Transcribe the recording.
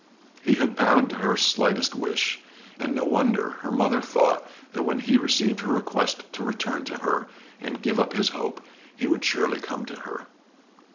He had bowed to her slightest wish, and no wonder her mother thought that when he received her request to return to her, and give up his hope, he would surely come to her.